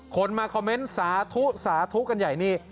คนมาคอมเมนต์สาธุสาธุกันใหญ่นี่